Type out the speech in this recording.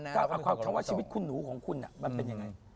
คำว่าชีวิตคุณหนูของคุณมันเป็นยังไง